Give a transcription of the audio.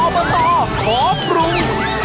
อบตขอปรุง